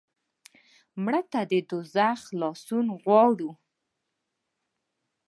مړه ته د دوزخ نه خلاصون غواړو